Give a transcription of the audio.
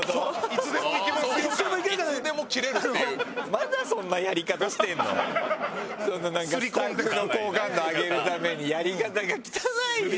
スタッフの好感度上げるためにやり方が汚いよ。